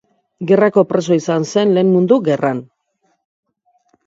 Gerrako preso izan zen Lehen Mundu Gerran.